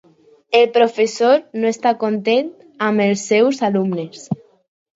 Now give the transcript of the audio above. El professor no està content amb els seus alumnes.